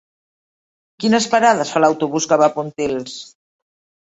Quines parades fa l'autobús que va a Pontils?